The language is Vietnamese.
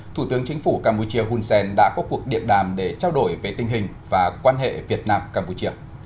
thủ tướng chính phủ campuchia hun sen đã có cuộc điện đàm để trao đổi về tình hình và quan hệ việt nam campuchia